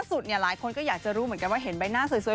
สุดเนี่ยหลายคนก็อยากจะรู้เหมือนกันว่าเห็นใบหน้าสวย